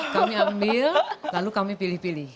kami ambil lalu kami pilih pilih